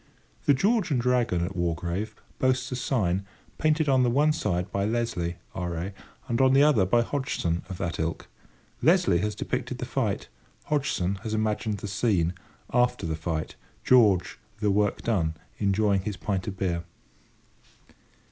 The "George and Dragon" at Wargrave boasts a sign, painted on the one side by Leslie, R.A., and on the other by Hodgson of that ilk. Leslie has depicted the fight; Hodgson has imagined the scene, "After the Fight"—George, the work done, enjoying his pint of beer.